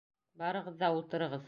Барығыҙ ҙа ултырығыҙ.